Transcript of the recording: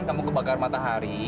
kamu kebakar matahari